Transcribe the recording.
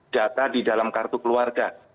data di dalam kartu keluarga